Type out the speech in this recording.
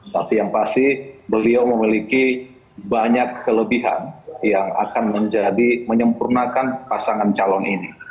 tapi yang pasti beliau memiliki banyak kelebihan yang akan menjadi menyempurnakan pasangan calon ini